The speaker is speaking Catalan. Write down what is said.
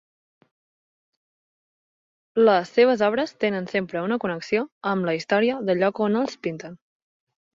Les seves obres tenen sempre una connexió amb la història del lloc on els pinten.